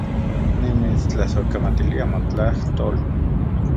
Nimitstlasojkamatilia motlajtol